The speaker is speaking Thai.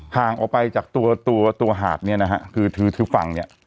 หางออกไปจากตัวหาดเนี้ยนะฮะคือถึงทักฝั่งเนี้ย